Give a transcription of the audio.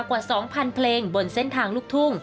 กว่า๒๐๐เพลงบนเส้นทางลูกทุ่ง